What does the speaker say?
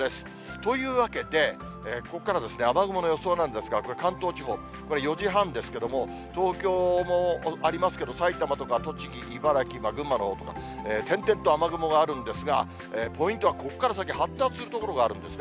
というわけで、ここから雨雲の予想なんですが、これ、関東地方、４時半ですけれども、東京もありますけど、埼玉とか栃木、茨城、群馬のほうとか、転々と雨雲があるんですが、ポイントはここから先、発達する所があるんですね。